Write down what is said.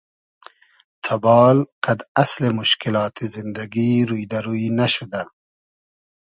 تئبال قئد اسلی موشکیلات زیندگی روی دۂ روی نئشودۂ